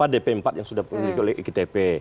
diperlukan oleh iktp